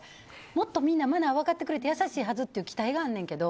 もっとみんなマナー分かってくれて優しいはずという期待があんねんけど。